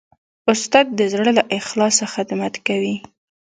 استاد د زړه له اخلاصه خدمت کوي.